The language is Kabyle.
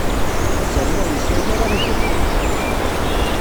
Azrem-a ur yesɛi ara ihriren.